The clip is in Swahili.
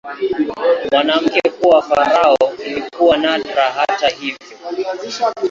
Mwanamke kuwa farao ilikuwa nadra, hata hivyo.